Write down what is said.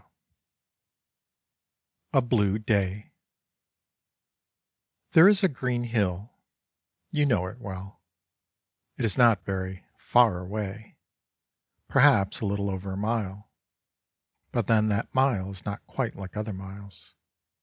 V A BLUE DAY "There is a green hill," you know it well; it is not very "far away," perhaps a little over a mile, but then that mile is not quite like other miles.